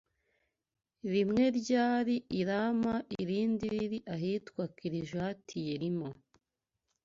Rimwe ryari i Rama irindi riri ahitwa Kirijati-Yerima.